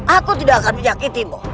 aku tidak akan menyakitimu